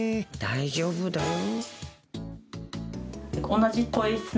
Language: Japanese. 大丈夫だよ。